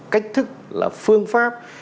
cách thức là phương pháp